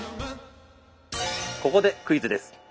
ここでクイズです。